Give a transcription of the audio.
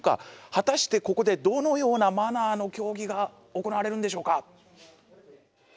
果たしてここでどのようなマナーの競技が行われるんでしょうか？